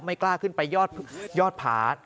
กล้าขึ้นไปยอดผา